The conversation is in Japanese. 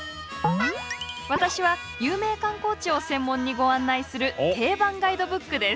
私は有名観光地を専門にご案内する定番ガイドブックです。